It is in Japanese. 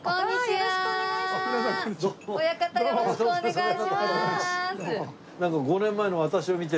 よろしくお願いします。